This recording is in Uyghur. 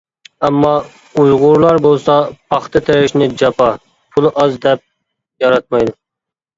ئەمما ئۇيغۇرلار بولسا پاختا تېرىشنى جاپا، پۇلى ئاز دەپ ياراتمايدۇ.